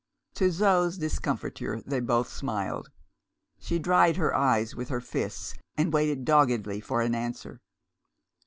To Zo's discomfiture they both smiled. She dried her eyes with her fists, and waited doggedly for an answer.